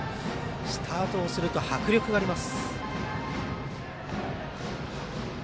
スタートをすると迫力があります。